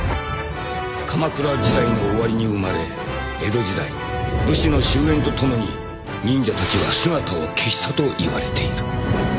［鎌倉時代の終わりに生まれ江戸時代武士の終焉とともに忍者たちは姿を消したといわれている］